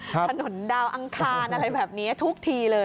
ถนนดาวอังคารอะไรแบบนี้ทุกทีเลย